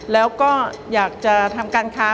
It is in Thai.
แล้วก็อยากจะทำการค้า